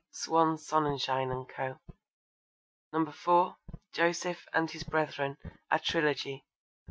(Swan Sonnenschein and Co.) (4) Joseph and His Brethren: a Trilogy.